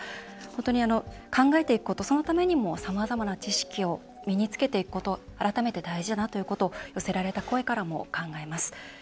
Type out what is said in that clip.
本当に考えていくことそのためにも、さまざまな知識を身につけていくこと改めて大事だなということを寄せられた声からも考えます。